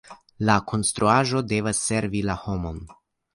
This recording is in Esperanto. La konstruaĵo devas servi la homon.